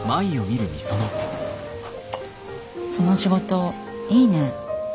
その仕事いいね。